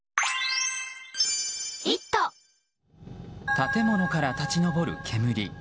建物から立ち上る煙。